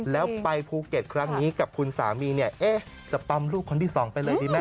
แล้วไปภูเก็ตครั้งนี้กับคุณสามีจะปั๊มลูกคนนี้ที่๒ไปเลยดินะ